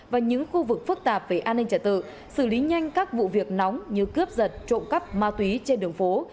và những khu vực phức tạp về an ninh trả tự xử lý nhanh các vụ việc nóng như cướp giật trộm cắp ma túy trên đường phố